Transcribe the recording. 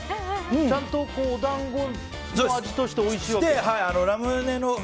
ちゃんとお団子の味としておいしいの？